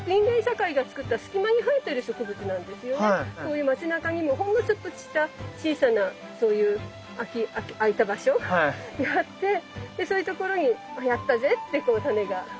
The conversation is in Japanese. こういう街なかにもほんのちょっとした小さなそういうあいた場所があってそういうところに「やったぜ！」ってこう種が。